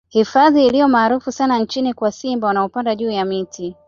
Hifadhi iliyo maarufu sana nchini kwa simba wanaopanda juu ya miti